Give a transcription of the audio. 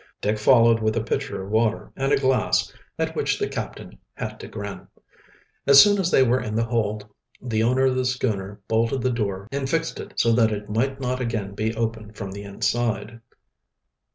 Dick followed with a pitcher of water and a glass, at which the captain had to grin. As soon as they were in the hold the owner of the schooner bolted the door and fixed it so that it might not again be opened from the inside.